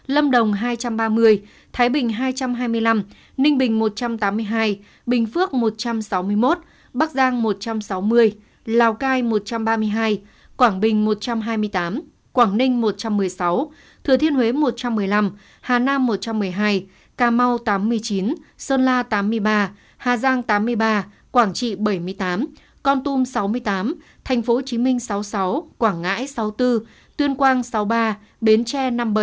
lâm đồng hai trăm ba mươi thái bình hai trăm hai mươi năm ninh bình một trăm tám mươi hai bình phước một trăm sáu mươi một bắc giang một trăm sáu mươi lào cai một trăm ba mươi hai quảng bình một trăm hai mươi tám quảng ninh một trăm một mươi sáu thừa thiên huế một trăm một mươi năm hà nam một trăm một mươi hai cà mau tám mươi chín sơn la tám mươi ba hà giang tám mươi ba quảng trị bảy mươi tám con tum sáu mươi tám tp hcm sáu mươi sáu quảng ngãi sáu mươi bốn tuyên quang sáu mươi ba bến tre năm mươi bảy